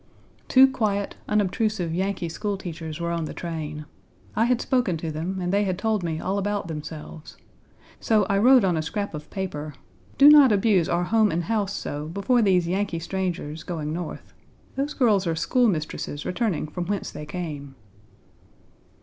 Two quiet, unobtrusive Yankee school teachers were on the train. I had spoken to them, and they had told me all about themselves. So I wrote on a scrap of paper, "Do not abuse our home and house so before these Yankee strangers, going North. Those girls are schoolmistresses returning from whence they came."